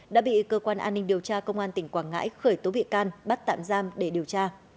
đã bị cơ quan an ninh điều tra công an tỉnh quảng ngãi khởi tố bị can bắt tạm giam để điều tra